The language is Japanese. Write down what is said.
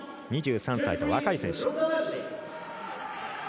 ２３歳の若い選手。